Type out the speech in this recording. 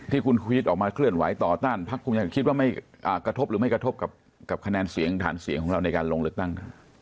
ที่คุณคุอิสออกมาเคลื่อนไหวต่อต้านอาหารภาคมยะไทยคิดจะไม่กระทบกับแสดงแสดงของเราในการลงเหลือตั้ง